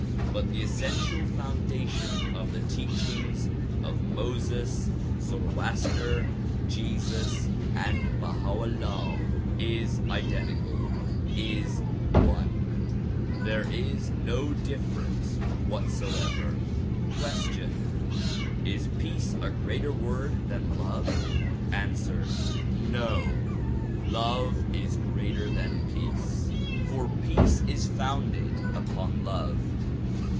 But the essential foundation of the teachings of Moses, Zoroaster, Jesus and Baha 'Ullah is identical, is one ; there is no difference whatsoever. '' Question : Is peace a greater word than love ? Ansiver: No! love is greater than peace, for peace is founded upon love.